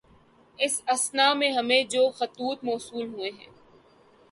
اس اثنا میں ہمیں جو خطوط موصول ہوئے ہیں